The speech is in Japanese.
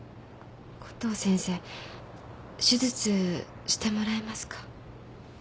コトー先生手術してもらえますか？